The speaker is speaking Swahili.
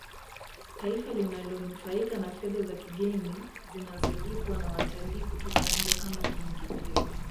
taifa linanufaika na fedha za kigeni zinazolipwa na watalii kutoka nje Kama kiingilio